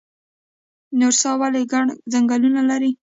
نورستان ولې ګڼ ځنګلونه لري؟